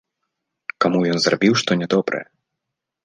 Каму ён зрабіў што нядобрае?